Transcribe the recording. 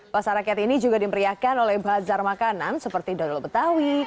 pasar rakyat ini juga dimeriahkan oleh bazar makanan seperti dodol betawi